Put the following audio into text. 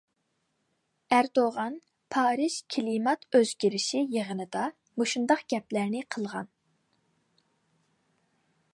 ئەردوغان پارىژ كىلىمات ئۆزگىرىشى يىغىندا مۇشۇنداق گەپلەرنى قىلغان.